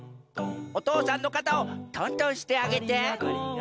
おとうさんのかたをとんとんしてあげて。